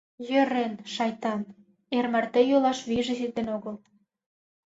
Йӧрен, шайтан, эр марте йӱлаш вийже ситен огыл...